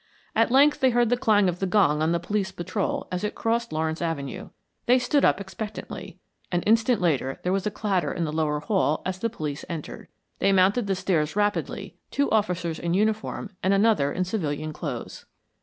At length they heard the clang of the gong on the police patrol as it crossed Lawrence Avenue. They stood up expectantly. An instant later there was a clatter in the lower hall as the police entered. They mounted the stairs rapidly two officers in uniform and another in civilian clothes.